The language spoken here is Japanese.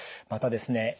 またですね